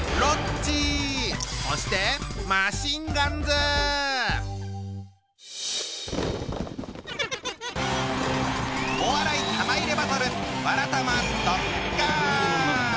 そしてお笑い玉入れバトル